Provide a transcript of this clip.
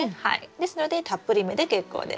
ですのでたっぷりめで結構です。